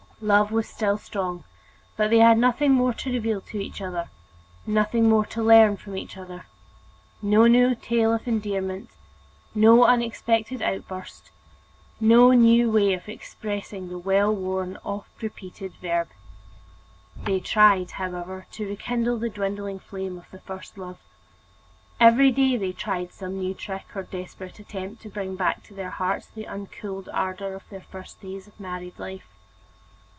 Love was still strong, but they had nothing more to reveal to each other, nothing more to learn from each other, no new tale of endearment, no unexpected outburst, no new way of expressing the well known, oft repeated verb. They tried, however, to rekindle the dwindling flame of the first love. Every day they tried some new trick or desperate attempt to bring back to their hearts the uncooled ardor of their first days of married life.